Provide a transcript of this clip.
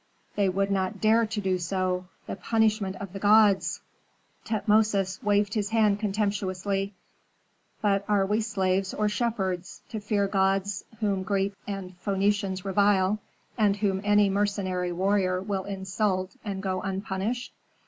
"They would not dare to do so. The punishment of the gods " Tutmosis waved his hand contemptuously. "But are we slaves or shepherds, to fear gods whom Greeks and Phœnicians revile, and whom any mercenary warrior will insult and go unpunished?"